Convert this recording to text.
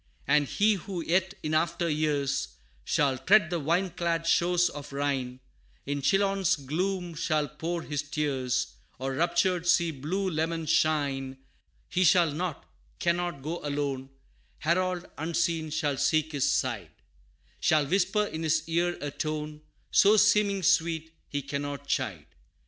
And he who yet in after years, Shall tread the vine clad shores of Rhine, In Chillon's gloom shall pour his tears, Or raptured, see blue Leman shine He shall not cannot, go alone Harold unseen shall seek his side: Shall whisper in his ear a tone, So seeming sweet, he cannot chide.